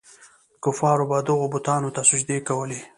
کفارو به دغو بتانو ته سجدې کولې.